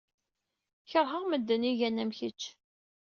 Keṛheɣ medden ay igan am kečč.